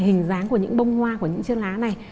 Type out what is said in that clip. hình dáng của những bông hoa của những chiếc lá này